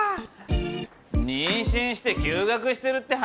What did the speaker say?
妊娠して休学してるって話？